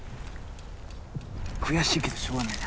悔しいけどしょうがないな